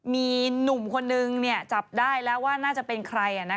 มีหนุ่มคนนึงจับได้แล้วว่าน่าจะเป็นใคร